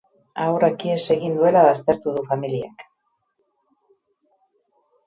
Haurrak ihes egin duela baztertu du familiak.